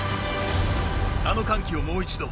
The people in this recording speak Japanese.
あの歓喜をもう一度。